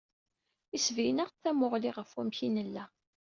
Yesbeyyen-aɣ-d tamuɣli ɣef wamek i nella.